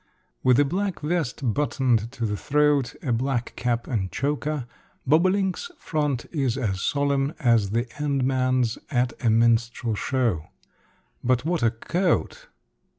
With a black vest buttoned to the throat, a black cap and choker, bobolink's front is as solemn as the end man's at a minstrel show. But what a coat!